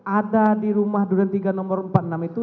ada di rumah duren tiga nomor empat puluh enam itu